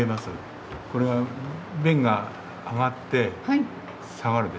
これが弁が上がって下がるでしょ。